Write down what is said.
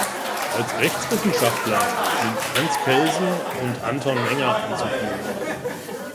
Als Rechtswissenschaftler sind Hans Kelsen und Anton Menger anzuführen.